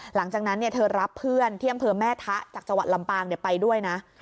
หลังจากนั้นเธอรับเพื่อนที่อำเภอแม่ทะจากจังหวัดลำปางไปด้วยนะ